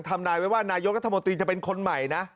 ทำนายไว้ว่านายกรัฐมนตรีจะเป็นคนใหม่นะ